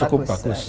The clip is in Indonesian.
cukup bagus ya